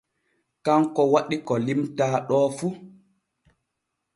Kanko waɗi ko limtaa ɗo fu.